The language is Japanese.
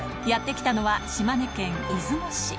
やって来たのは島根県出雲市。